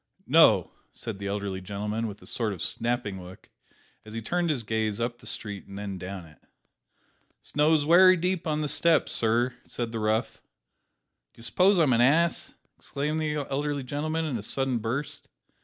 "No!" said the elderly gentleman, with a sort of snapping look, as he turned his gaze up the street and then down it. "Snow's wery deep on the steps, sir," said the rough. "D'you suppose I'm an ass?" exclaimed the elderly gentleman, in a sudden burst.